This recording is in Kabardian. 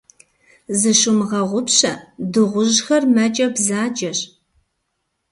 Зыщумыгъэгъупщэ, дыгъужьхэр мэкӀэ бзаджэщ.